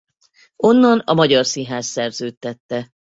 Onnan a Magyar Színház szerződtette.